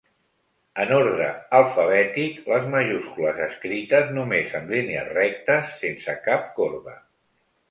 En ordre alfabètic, les majúscules escrites només amb línies rectes, sense cap corba.